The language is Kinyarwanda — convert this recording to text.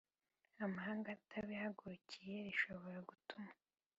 amahanga atabihagurukiye, rishobora gutuma